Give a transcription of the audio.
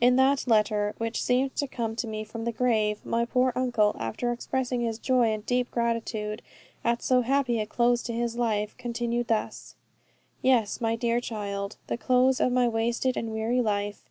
In that letter, which seemed to come to me from the grave, my poor Uncle after expressing his joy and deep gratitude at so happy a close to his life, continued thus: "Yes, my dear child, the close of my wasted and weary life.